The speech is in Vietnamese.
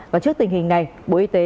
và trước tình hình này bộ y tế